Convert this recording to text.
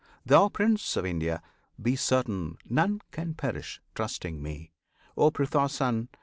Thou Prince of India! Be certain none can perish, trusting Me! O Pritha's Son!